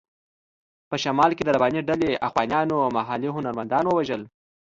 په شمال کې د رباني ډلې اخوانیانو محلي هنرمندان ووژل.